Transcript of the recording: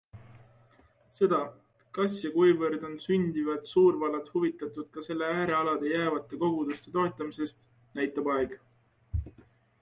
Seda, kas ja kuivõrd on sündivad suurvallad huvitatud ka selle äärealadele jäävate koguduste toetamisest, näitab aeg.